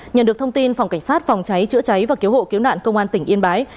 nhận được thông tin phòng cảnh sát phòng cháy chữa cháy và cứu hộ cứu nạn công an tỉnh yên bái